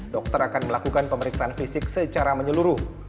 dokter akan melakukan pemeriksaan fisik secara menyeluruh